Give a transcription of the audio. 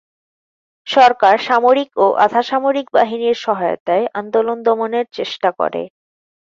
সরকার সামরিক ও আধা-সামরিক বাহিনীর সহায়তায় আন্দোলন দমনের চেষ্টা করে।